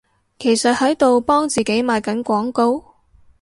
其實喺度幫自己賣緊廣告？